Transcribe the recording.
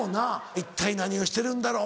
「一体何をしてるんだろう」